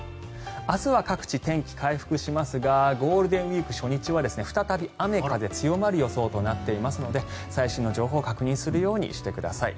明日は各地、天気回復しますがゴールデンウィーク初日は再び雨、風強まる予想となっていますので最新の情報を確認するようにしてください。